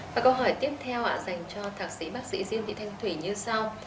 và câu hỏi tiếp theo dành cho thạc sĩ bác sĩ diêm thị thanh thủy như sau